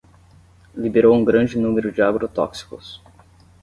Liberou um grande número de agrotóxicos